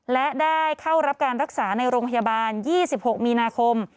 และได้เข้ารับการรักษาในโรงพยาบาล๒๖มีนาคม